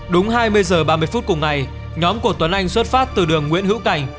đúng hai mươi h ba mươi phút cùng ngày nhóm của tuấn anh xuất phát từ đường nguyễn hữu cảnh